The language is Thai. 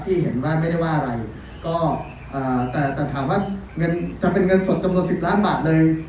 เห็นว่าไม่ได้ว่าอะไรก็อ่าแต่แต่ถามว่าเงินจะเป็นเงินสดจำนวนสิบล้านบาทเลย